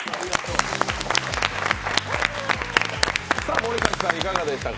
森崎さん、いかがでしたか。